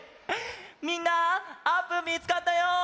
みんなあーぷんみつかったよ！